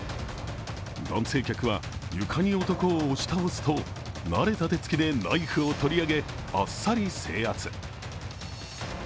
男性客は床に男を押し倒すと慣れた手つきでナイフを取り上げあっさり制圧。